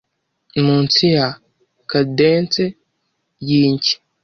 munsi ya cadence yinshyi